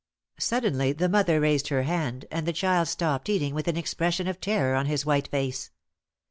Suddenly the mother raised her hand, and the child stopped eating with an expression of terror on his white face.